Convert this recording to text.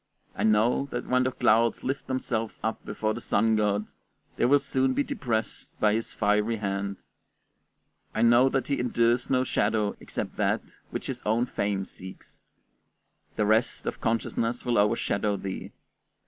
I know that when the clouds lift themselves up before the sun god, they will soon be depressed by his fiery hand; I know that he endures no shadow except that which his own fame seeks; the rest of consciousness will overshadow thee.